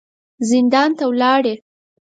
زندان ته ولاړې.